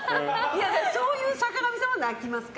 そういう坂上さんは泣きますか？